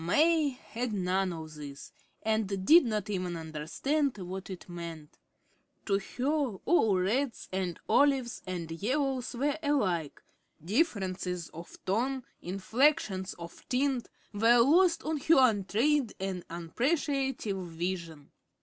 May had none of this, and did not even understand what it meant. To her all reds and olives and yellows were alike; differences of tone, inflections of tint, were lost on her untrained and unappreciative vision.